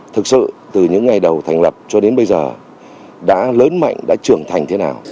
thực sự từ những ngày đầu thành lập cho đến bây giờ đã lớn mạnh đã trưởng thành thế nào